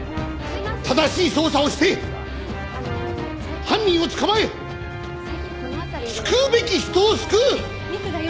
正しい捜査をして犯人を捕まえ救うべき人を救う！